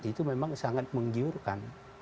itu memang sangat menggiurkan